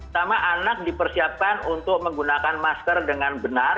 sama anak dipersiapkan untuk menggunakan masker dengan benar